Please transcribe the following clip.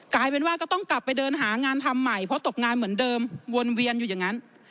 กลายเป็นว่าก็ต้องกลับไปเดินหางานทำใหม่เพราะตกงานเหมือนเดิมวนเวียนอยู่อย่างนั้น